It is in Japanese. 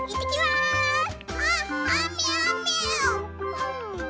うん。